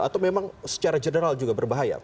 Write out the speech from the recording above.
atau memang secara general juga berbahaya